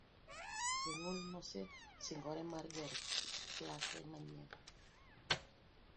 Jonyuol nosesingore mar gero klase manyien.